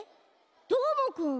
どーもくんは？